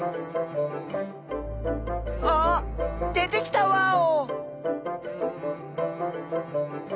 あ出てきたワオ！